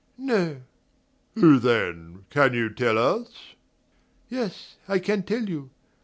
"No." "Who then? Can you tell us?" "Yes, I can tell you.